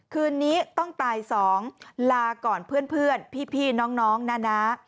คืนนี้ต้องตาย๒ลาก่อนเพื่อนพี่น้องนะนะ